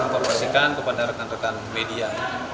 informasikan kepada rekan rekan media